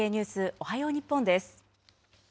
おはよう日本です。